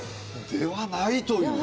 ではないという。